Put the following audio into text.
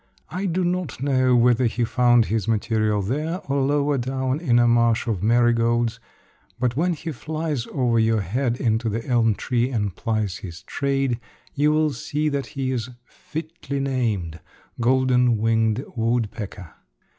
I do not know whether he found his material there or lower down in a marsh of marigolds; but when he flies over your head into the elm tree and plies his trade, you will see that he is fitly named, golden winged woodpecker.